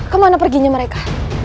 kemana perginya mereka